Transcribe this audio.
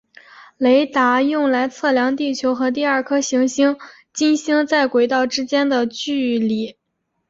雷达用来测量地球和第二颗行星金星在轨道之间的距离。